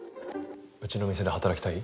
うちの店で働きたい？